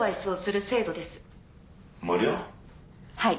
はい。